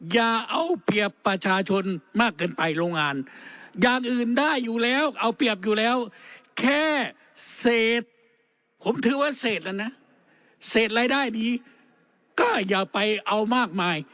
แค่เศษผมถือว่าเศษแล้วนะเศษรายได้ดีก็อย่าไปเอามากมาย